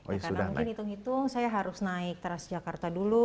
ya karena mungkin hitung hitung saya harus naik transjakarta dulu